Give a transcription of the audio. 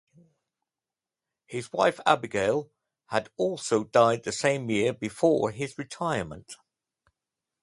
His wife Abigail had also died that same year before his retirement.